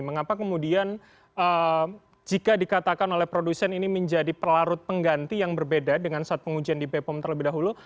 mengapa kemudian jika dikatakan oleh produsen ini menjadi pelarut pengganti yang berbeda dengan saat pengujian di bepom terlebih dahulu